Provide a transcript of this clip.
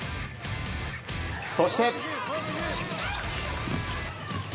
そして。